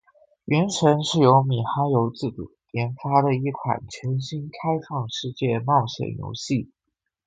《原神》是由米哈游自主研发的一款全新开放世界冒险游戏。